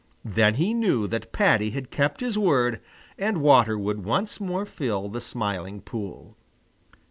Then he knew that Paddy had kept his word and water would once more fill the Smiling Pool.